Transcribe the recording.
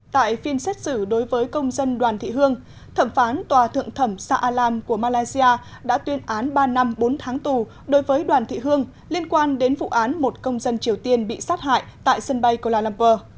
tại phiên xét xử đối với công dân đoàn thị hương thẩm phán tòa thượng thẩm sa alam của malaysia đã tuyên án ba năm bốn tháng tù đối với đoàn thị hương liên quan đến vụ án một công dân triều tiên bị sát hại tại sân bay kuala lumpur